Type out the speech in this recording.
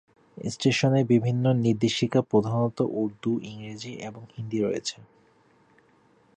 স্টেশনে বিভিন্ন নির্দেশিকা প্রধানত উর্দু, ইংরেজি এবং হিন্দি রয়েছে।